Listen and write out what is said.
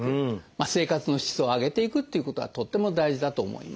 生活の質を上げていくっていうことはとっても大事だと思います。